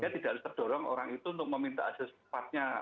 tidak harus terdorong orang itu untuk meminta ases partnya